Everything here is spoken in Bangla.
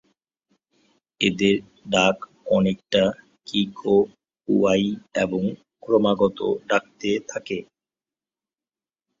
এদের ডাক অনেকটা "কি-কো-কুয়াই" এবং ক্রমাগত ডাকতে থাকে।